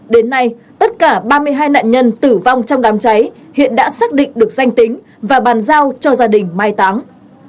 đến nay tất cả ba mươi hai nạn nhân tử vong trong đám cháy hiện đã xác định được danh tính và bàn giao cho gia đình mai táng